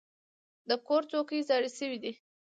د کور څوکۍ زاړه شوي دي.